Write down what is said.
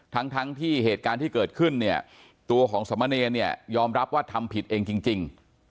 ทั้งที่เหตุการณ์ที่เกิดขึ้นตัวของสมเนยยอมรับว่าทำผิดเองจริง